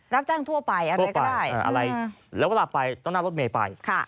รับจ้างทั่วไปอะไรก็ได้อะไรแล้วเวลาไปต้องนั่งรถเมย์ไป